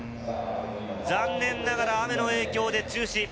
残念ながら雨の影響で中止。